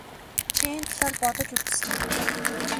Чи энэ талаар бодож үзсэн үү?